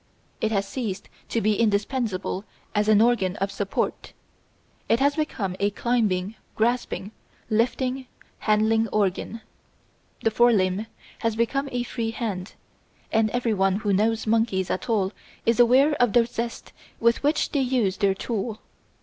It has ceased to be indispensable as an organ of support; it has become a climbing, grasping, lifting, handling organ. The fore limb has become a free hand, and everyone who knows monkeys at all is aware of the zest with which they use their tool.